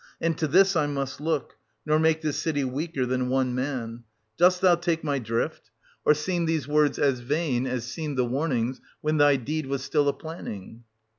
And to this I must look, nor make this city weaker than one man. Dost thou take my drift? Or seem 1035— 1073] OEDIPUS AT COLONUS. 99 these words as vain as seemed the warnings when thy deed was still a planning?